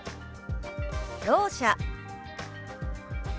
「ろう者」。